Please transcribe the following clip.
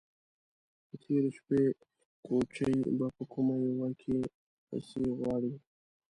_د تېرې شپې کوچی به په کومه يوه کې پسې غواړې؟